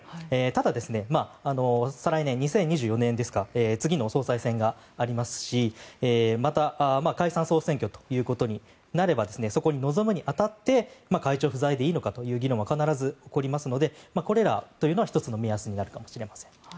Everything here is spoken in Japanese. ただ、再来年、２０２４年ですか次の総裁選がありますしまた、解散・総選挙ということになればそこに臨むに当たって会長不在でいいのかという議論は必ず起こりますのでこれらというのは１つの目安になるかもしれません。